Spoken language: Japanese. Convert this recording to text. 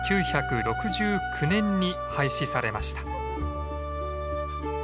１９６９年に廃止されました。